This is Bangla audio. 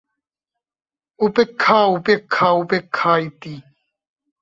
উপেক্ষা, উপেক্ষা, উপেক্ষা ইতি।